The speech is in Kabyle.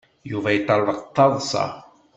Yuba yeṭṭerḍeq d taḍsa.